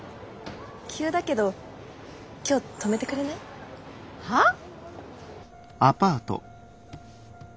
急だけど今日泊めてくれない？はっ？